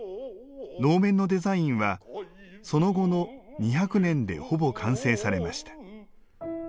能面のデザインはその後の２００年でほぼ完成されました。